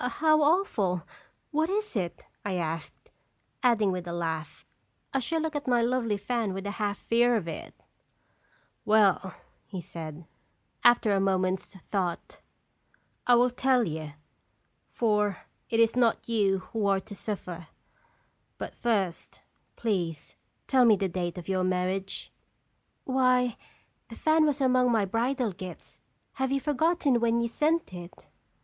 "Oh, how awful! What is it?" I asked, adding with a laugh, " I shall look at my lovely fan with a half fear of it." "Well," he said, after a moment's thought, ".I will tell you, for it is not you who are to suffer. But, first, please tell me the date of your marriage." " Why the fan was among my bridal gifts ! Have you forgotten when you sent it?"